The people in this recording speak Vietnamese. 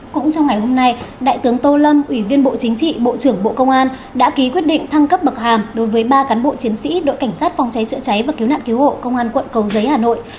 cũng trong ngày hôm nay đại tướng tô lâm ủy viên bộ chính trị bộ trưởng bộ công an đã ký quyết định thăng cấp bậc hàm đối với ba cán bộ chiến sĩ đội cảnh sát phòng cháy chữa cháy và cứu nạn cứu hộ công an quận cầu giấy hà nội